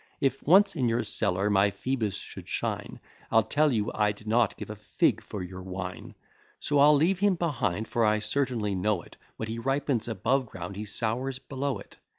If once in your cellar my Phoebus should shine, I tell you I'd not give a fig for your wine; So I'll leave him behind, for I certainly know it, What he ripens above ground, he sours below it.